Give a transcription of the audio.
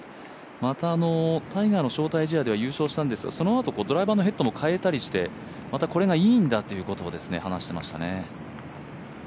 また、タイガーの招待試合では優勝したんですがこのあとドライバーのヘッドも変えたりしてまたこれがいいんだということを話していましたね。